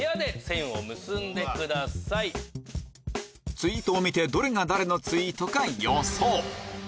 ツイートを見てどれが誰のツイートか予想